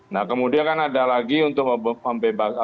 nah kemudian kan ada lagi untuk membebas atau mengurangi penggunaannya